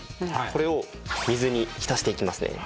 これを水に浸していきますね。